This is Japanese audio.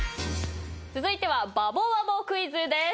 続いてはバボバボクイズです。